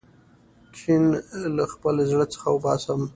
کین له خپل زړه څخه وباسم.